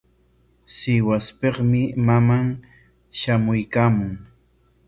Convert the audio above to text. Sihuaspikmi maman shamuykaamun.